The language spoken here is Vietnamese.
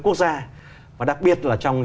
quốc gia và đặc biệt là trong